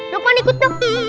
dok man ikut dong